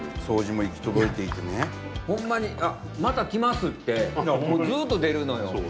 ほんまに「あまた来ます」ってずっと出るのよ。